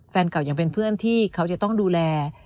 แฟนเก่ายังเป็นเพื่อนที่เขาจะต้องดูแล